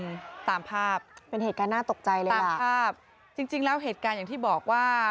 ตามภาพเป็นเหตุการณ์น่าตกใจเลยนะภาพจริงจริงแล้วเหตุการณ์อย่างที่บอกว่า